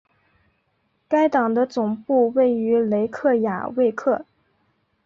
该党的总部位于雷克雅未克。